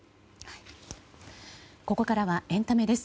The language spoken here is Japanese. ここからはエンタメです。